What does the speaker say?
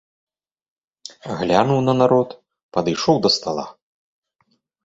Глянуў на народ, падышоў да стала.